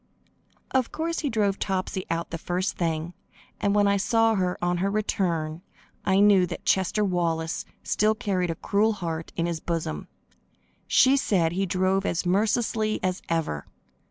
Of course, he drove Topsy out the first thing, and when I saw her, on her return, I knew that Chester Wallace still carried a cruel heart in his bosom. She said he drove as mercilessly as ever.